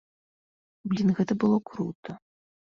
Блін, гэта было крута.